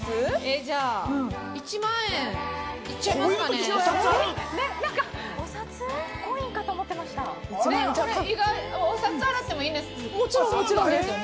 じゃあ１万円いっちゃいますかね。